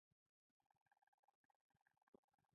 د فارسي ژبې لویو شاعرانو د نظمونو مثالونه ښيي.